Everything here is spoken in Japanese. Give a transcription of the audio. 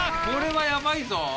これはやばいぞ。